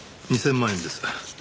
２０００万円です。